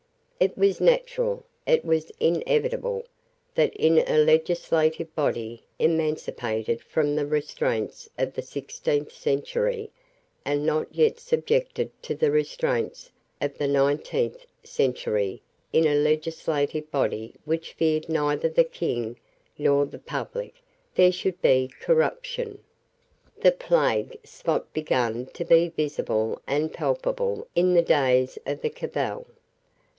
It was natural, it was inevitable, that, in a legislative body emancipated from the restraints of the sixteenth century, and not yet subjected to the restraints of the nineteenth century, in a legislative body which feared neither the King nor the public, there should be corruption. The plague spot began to be visible and palpable in the days of the Cabal.